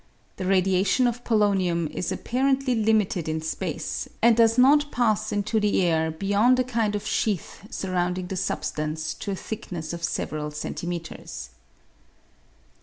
The radiation of polonium is apparently limited in space, and does not pass into the air beyond a kind of sheath sur rounding the substance to a thickness of several centimetres.